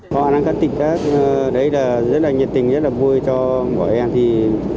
họ đang cắt tỉnh đấy là rất là nhiệt tình rất là vui cho bà em